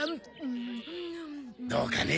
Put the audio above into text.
どうかね？